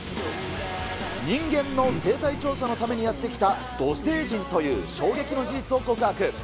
人間の生態調査のためにやって来た土星人という衝撃の事実を告白。